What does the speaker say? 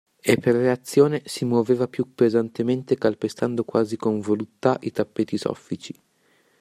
E per reazione si muoveva più pesantemente calpestando quasi con voluttà i tappeti soffici.